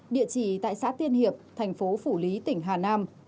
địa chỉ tại xã tiên hiệp thành phố phủ lý tỉnh hà nam